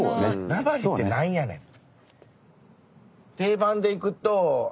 名張って何やねんと。